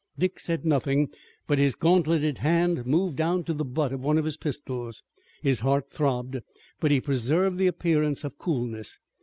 Dick said nothing, but his gauntleted hand moved down to the butt of one of his pistols. His heart throbbed, but he preserved the appearance of coolness.